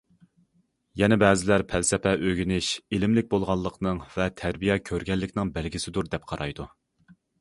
يەنە بەزىلەر پەلسەپە ئۆگىنىش ئىلىملىك بولغانلىقنىڭ ۋە تەربىيە كۆرگەنلىكنىڭ بەلگىسىدۇر، دەپ قارايدۇ.